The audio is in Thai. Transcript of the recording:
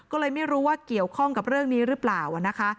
ก็เลยไม่รู้ว่าเกี่ยวข้องกับเรื่องนี้หรือเปล่านะคะ